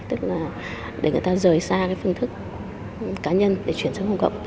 tức là để người ta rời xa cái phương thức cá nhân để chuyển sang công cộng